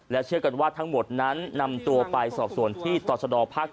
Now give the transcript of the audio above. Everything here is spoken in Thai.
เชื่อกันว่าทั้งหมดนั้นนำตัวไปสอบส่วนที่ต่อชะดอภาค๗